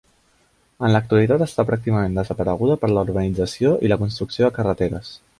En l'actualitat està pràcticament desapareguda per la urbanització i la construcció de carreteres.